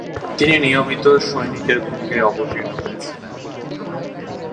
তিনি নিয়মিত সৈনিকের ভূমিকায় অবতীর্ণ হয়েছিলেন।